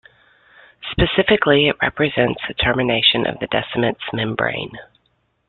Specifically, it represents the termination of Descemet's membrane.